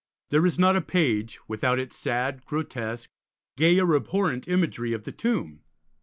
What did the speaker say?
There is not a page without its sad, grotesque, gay, or abhorrent imagery of the tomb.